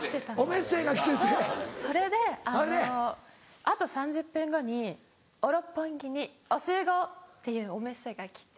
それで「あと３０分後にお六本木にお集合！」っていうおメッセが来て。